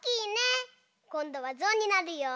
こんどはぞうになるよ！